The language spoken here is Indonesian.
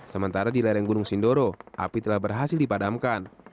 sementara di lereng gunung sindoro api telah berhasil dipadamkan